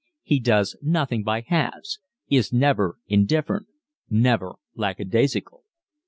He does nothing by halves, is never indifferent, never lackadaisical.